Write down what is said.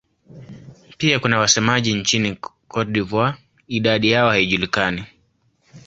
Pia kuna wasemaji nchini Cote d'Ivoire; idadi yao haijulikani.